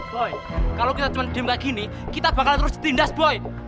boy kalo kita cuman dembak gini kita bakal terus ditindas boy